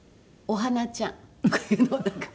お鼻ちゃん。